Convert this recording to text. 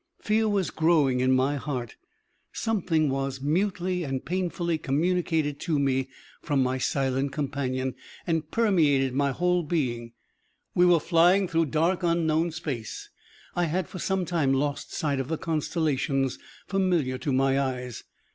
Fear was growing in my heart. Something was mutely and painfully communicated to me from my silent companion, and permeated my whole being. We were flying through dark, unknown space. I had for some time lost sight of the constellations familiar to my eyes.